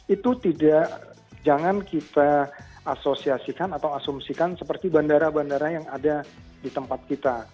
itu tidak jangan kita asosiasikan atau asumsikan seperti bandara bandara yang ada di tempat kita